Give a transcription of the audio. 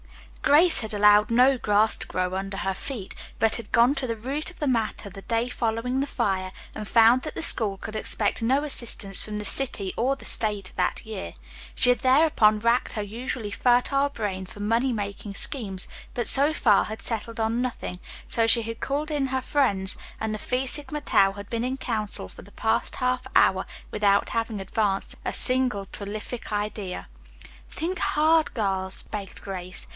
Grace had allowed no grass to grow under her feet, but had gone to the root of the matter the day following the fire, and found that the school could expect no assistance from the city or the state that year. She had thereupon racked her usually fertile brain for money making schemes, but so far had settled on nothing, so she had called in her friends, and the Phi Sigma Tau had been in council for the past half hour without having advanced a single prolific idea. "Think hard, girls," begged Grace.